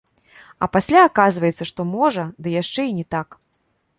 А пасля аказваецца, што можа, ды яшчэ і не так.